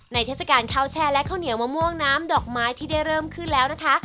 เทศกาลข้าวแช่และข้าวเหนียวมะม่วงน้ำดอกไม้ที่ได้เริ่มขึ้นแล้วนะคะ